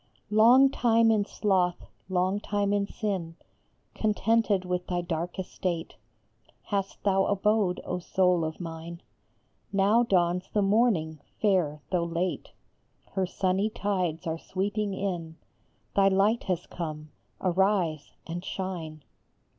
ONG time in sloth, long time in sin, Contented with thy dark estate Hast thou abode, O soul of mine ; Now dawns the morning, fair though late, Her sunny tides are sweeping in. Thy light has come ; arise and shine